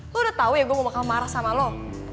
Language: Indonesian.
lo udah tau ya gue mau makan marah sama lo